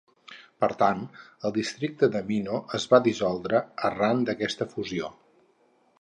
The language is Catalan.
Per tant, el districte de Mino es va dissoldre arran d'aquesta fusió.